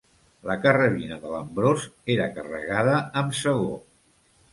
La carrabina de l'Ambròs era carregada amb segó.